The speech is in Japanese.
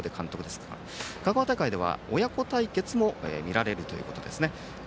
香川大会では親子対決も見られるということですね。